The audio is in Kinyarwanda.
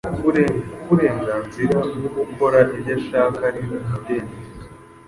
ko uburenganzira bwo gukora ibyo ushaka ari umudendezo